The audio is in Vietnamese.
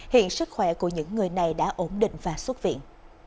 hiện sức khỏe của những người này đã ổn định và xuất viện